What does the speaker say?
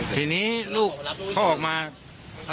จริงช่วยลูกมาจัดการใจ